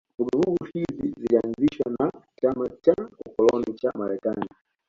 Vuguvugu hizi zilianzishwa na chama cha ukoloni cha Marekani